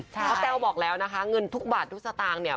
ก็เปล่าบอกแล้วนะคะเงินทุกบาททุกสตางค์เนี่ย